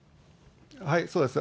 そうです。